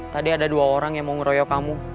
tadi ada dua orang yang mau ngeroyok kamu